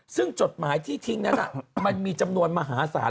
ซึ่งจดหมายที่ทิ้งนั้นมันมีจำนวนมหาศาล